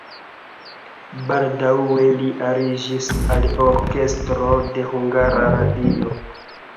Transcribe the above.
Baldaŭe li aliĝis al orkestro de Hungara Radio.